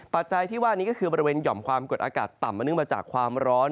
จัยที่ว่านี้ก็คือบริเวณหย่อมความกดอากาศต่ำมาเนื่องมาจากความร้อน